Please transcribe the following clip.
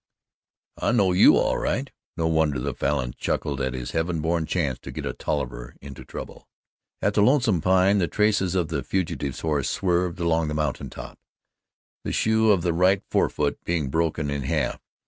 "I know you all right." No wonder the Falin chuckled at this Heaven born chance to get a Tolliver into trouble. At the Lonesome Pine the traces of the fugitive's horse swerved along the mountain top the shoe of the right forefoot being broken in half.